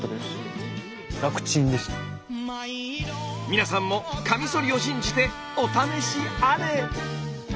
皆さんもカミソリを信じてお試しあれ。